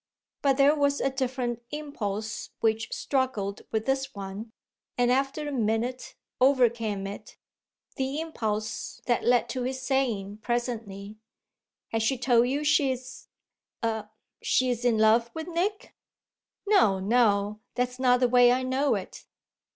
But there was a different impulse which struggled with this one and after a minute overcame it, the impulse that led to his saying presently: "Has she told you she's a she's in love with Nick?" "No, no that's not the way I know it."